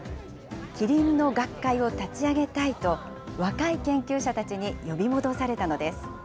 キリンの学会を立ち上げたいと、若い研究者たちに呼び戻されたのです。